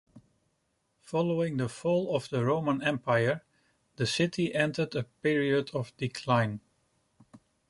Following the fall of the Roman Empire, the city entered a period of decline.